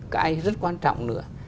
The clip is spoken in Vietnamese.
cái rất quan trọng nữa